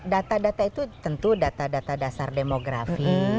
data data itu tentu data data dasar demografi